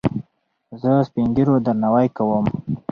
زه سپينږيرو درناوی کوم.